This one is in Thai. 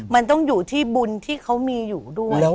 มันต้องอยู่ที่บุญที่เขามีอยู่ด้วย